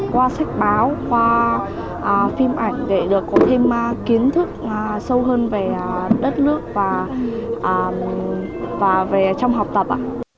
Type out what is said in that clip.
qua sách báo qua phim ảnh để được có thêm kiến thức sâu hơn về đất nước và về trong học tập